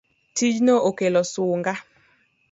Tijno okelo sunga